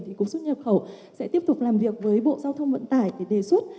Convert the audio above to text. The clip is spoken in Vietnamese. thì cục xuất nhập khẩu sẽ tiếp tục làm việc với bộ giao thông vận tải để đề xuất